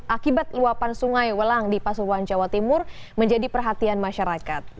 akibat luapan sungai welang di pasuruan jawa timur menjadi perhatian masyarakat